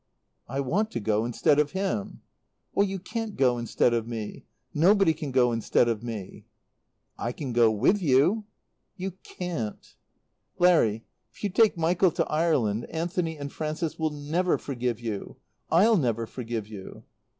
"I want to go instead of him." "You can't go instead of me. Nobody can go instead of me." "I can go with you." "You can't." "Larry, if you take Michael to Ireland, Anthony and Frances will never forgive you. I'll never forgive you."